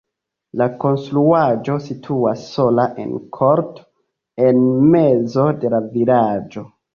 La konstruaĵo situas sola en korto en mezo de la vilaĝo.